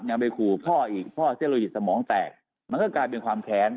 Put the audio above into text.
ยังไปขู่พ่ออีกพ่อเจ๊โลหิตสมองแตกมันก็กลายเป็นความแค้น